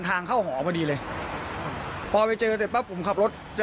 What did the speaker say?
ทางเข้าหอพอดีเลยพอไปเจอเสร็จปั๊บผมขับรถจะ